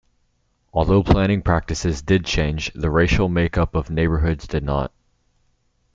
Although planning practices did change, the racial make-up of neighborhoods did not.